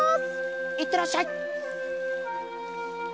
いってらっしゃい！